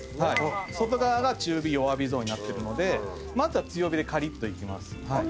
外側が中火・弱火ゾーンになってるのでまずは強火でカリッといきます。